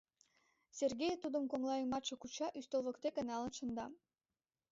Сергей тудым коҥлайымачше куча, ӱстел воктеке налын шында.